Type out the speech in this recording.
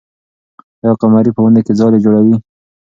آیا قمري په ونې کې ځالۍ جوړوي؟